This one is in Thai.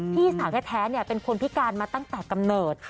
พี่สาวแท้เป็นคนพิการมาตั้งแต่กำเนิด